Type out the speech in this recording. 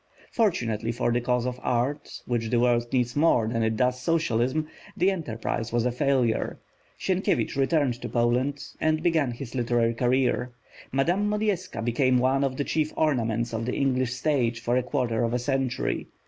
Fortunately for the cause of art, which the world needs more than it does socialism, the enterprise was a failure. Sienkiewicz returned to Poland, and began his literary career; Madame Modjeska became one of the chief ornaments of the English stage for a quarter of a century.